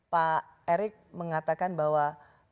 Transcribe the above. pak erick mengatakan bahwa